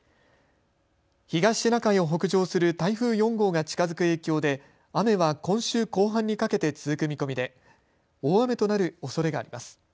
東シナ海を北上する台風４号が近づく影響で雨は今週後半にかけて続く見込みで大雨となるおそれがあります。